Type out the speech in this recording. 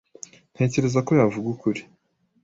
Ntekereza ko yavuga ukuri.